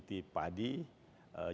jadi ini adalah bagian yang paling penting